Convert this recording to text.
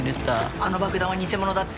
あの爆弾は偽物だった。